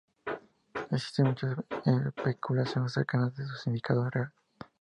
Existe mucha especulación acerca de su significado real.